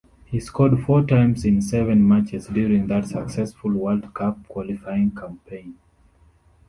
He scored four times in seven matches during that successful World Cup qualifying campaign.